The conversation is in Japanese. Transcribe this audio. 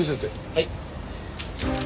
はい。